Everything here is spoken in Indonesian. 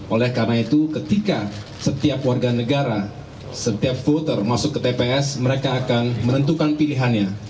oleh karena itu ketika setiap warga negara setiap voter masuk ke tps mereka akan menentukan pilihannya